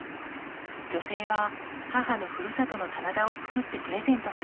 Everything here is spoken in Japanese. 女性は母のふるさとの棚田を作ってプレゼントするそう。